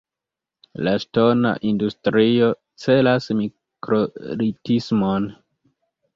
La ŝtona industrio celas mikrolitismon.